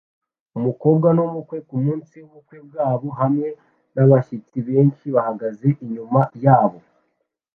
Umukwe n'umukwe kumunsi w'ubukwe bwabo hamwe nabashyitsi benshi bahagaze inyuma yabo